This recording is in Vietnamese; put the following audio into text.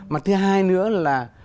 mặt thứ hai nữa là